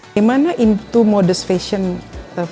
bagaimana modus fashion ini